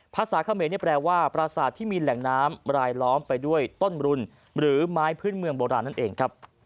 ภาษาเขมรแปลว่าประสาทที่มีแหล่งน้ำรายล้อมไปด้วยต้นรุนหรือไม้พื้นเมืองโบราณนั่นเองครับ